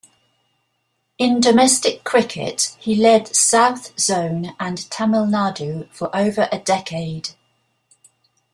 In domestic cricket, he led South Zone and Tamil Nadu for over a decade.